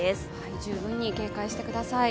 十分に警戒してください。